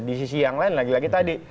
di sisi yang lain lagi lagi tadi